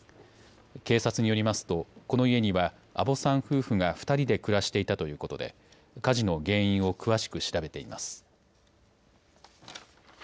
警察によりますとこの家には阿保さん夫婦が２人で暮らしていたということで火事の原因を詳しく調べています。